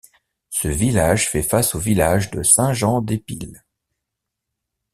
Ce village fait face au village de Saint-Jean-des-Piles.